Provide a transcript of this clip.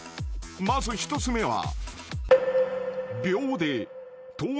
［まず１つ目は］